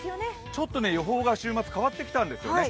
ちょっと予報が週末、変わってきたんですよね。